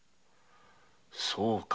そうか。